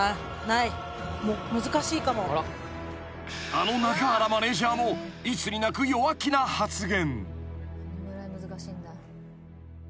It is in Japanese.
［あの中原マネジャーもいつになく弱気な発言］